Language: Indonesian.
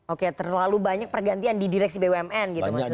oke terlalu banyak pergantian di direksi bumn gitu maksudnya